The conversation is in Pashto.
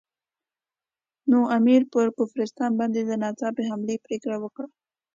نو امیر پر کافرستان باندې د ناڅاپي حملې پرېکړه وکړه.